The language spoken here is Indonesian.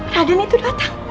raden itu datang